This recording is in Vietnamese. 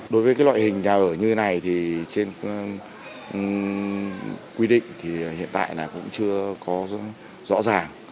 đối với loại hình nhà ở như thế này thì trên quy định thì hiện tại là cũng chưa có rõ ràng